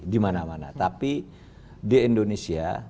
di mana mana tapi di indonesia